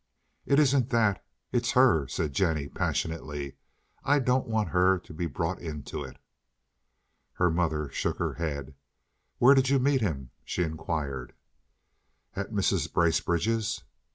"It isn't that. It's her," said Jennie passionately. "I don't want her to be brought into it." Her mother shook her head. "Where did you meet him?" she inquired. "At Mrs. Bracebridge's."